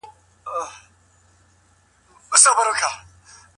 هګل يو نامتو الماني فيلسوف و.